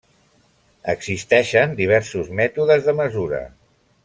Existeixen diversos mètodes de mesura.